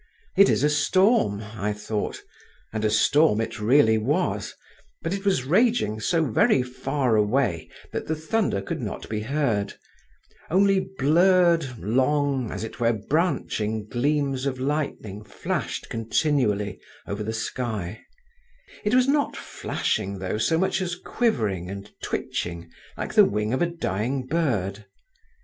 It is a storm, I thought; and a storm it really was, but it was raging so very far away that the thunder could not be heard; only blurred, long, as it were branching, gleams of lightning flashed continually over the sky; it was not flashing, though, so much as quivering and twitching like the wing of a dying bird.